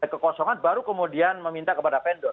kekosongan baru kemudian meminta kepada vendor